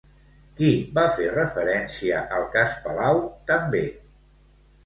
Qui va fer referència al cas Palau també?